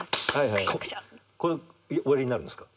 こうおやりになるんですか？